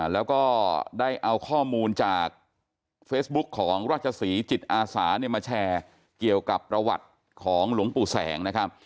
แล้วก็ได้เอาข้อมูลจากเฟซบุ๊คของราชศรีจิตอาสามาแชร์เกี่ยวกับประวัติของหลวงปู่แสงนะครับ